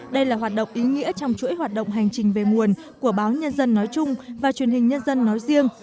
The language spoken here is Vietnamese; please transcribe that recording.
đây là hoạt động ý nghĩa trong chuỗi hoạt động hành trình về nguồn của báo nhân dân nói chung và truyền hình nhân dân nói riêng